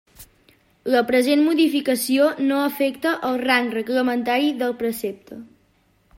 La present modificació no afecta el rang reglamentari del precepte.